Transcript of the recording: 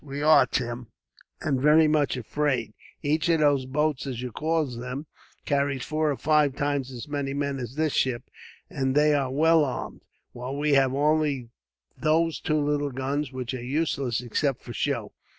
"We are, Tim, and very much afraid, too. Each of those boats, as you call them, carries four or five times as many men as this ship. They are well armed, while we have only those two little guns, which are useless except for show.